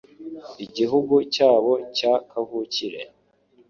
igihugu cyabo cya kavukire.